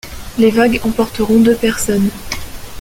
Les vagues emporteront deux personnes.